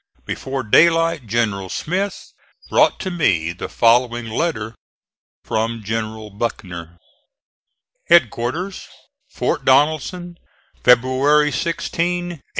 Before daylight General Smith brought to me the following letter from General Buckner: HEADQUARTERS, FORT DONELSON, February 16, 1862.